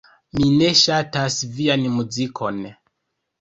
Mi ne ŝatas vian muzikon.